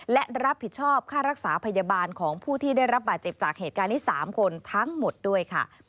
และรับผิดชอบค่ารักษาพยาบาลของผู้ที่ได้รับบาดเจ็บจากเหตุการณ์นี้๓คนทั้งหมดด้วยค่ะ